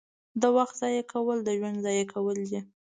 • د وخت ضایع کول د ژوند ضایع کول دي.